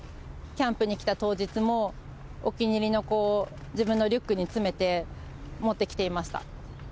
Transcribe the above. キャンプに来た当日も、お気に入りの子、自分のリュックに詰めて、持ってきていました。